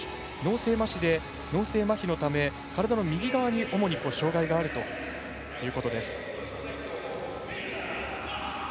脳性まひのため、体の右側に主に障がいがあるということです。